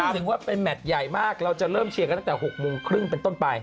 ถึงว่าเป็นแมทใหญ่มากเราจะเริ่มเชียร์กันตั้งแต่๖โมงครึ่งเป็นต้นไป